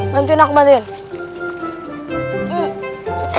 bantuin aku bantuin